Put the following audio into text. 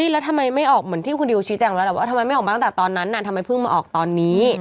แล้วทำไมไม่ออกเหมือนที่คุณดิวชี้แจงแล้วแหละว่าทำไมไม่ออกมาตั้งแต่ตอนนั้นทำไมเพิ่งมาออกตอนนี้